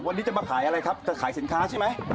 วันนี้จะมาขายอะไรครับจะขายสินค้าใช่ไหม